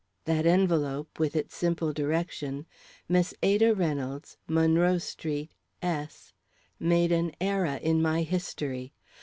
That envelope, with its simple direction, "Miss Ada Reynolds, Monroe Street, S ," made an era in my history.